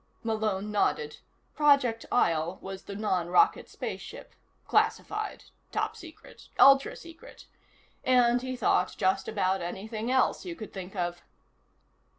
Malone nodded. Project Isle was the non rocket spaceship. Classified. Top Secret. Ultra Secret. And, he thought, just about anything else you could think of.